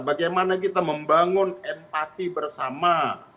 bagaimana kita membangun empati bersama